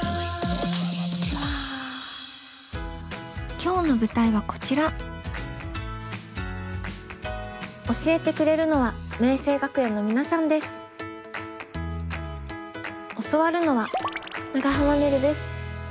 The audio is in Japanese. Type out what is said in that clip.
今日の舞台はこちら教えてくれるのは教わるのは長濱ねるです。